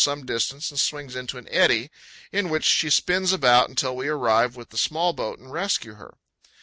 some distance and swings into an eddy, in which she spins about until we arrive with the small boat and rescue her.